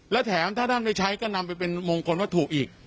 และแถมถ้าท่านได้ใช้ก็นำไปเป็นมงคลวัตถุอีก